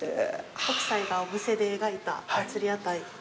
北斎が小布施で描いた祭屋台。